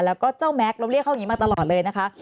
แล้วก็เจ้าแม็กซ์เราเรียกเขาอย่างนี้มาตลอดเลยนะคะ